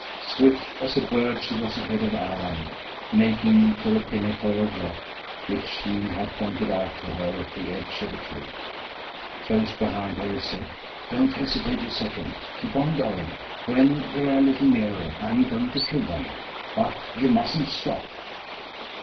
Swift as a bird she was ahead of Alan, making for a pinnacle of rock which he had pointed out to her at the edge of the kloof. Close behind her, he said: "Don't hesitate a second. Keep on going. When they are a little nearer I am going to kill them. But you mustn't stop."